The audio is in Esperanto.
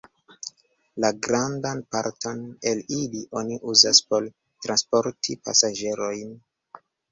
La grandan parton el ili oni uzas por transporti pasaĝerojn.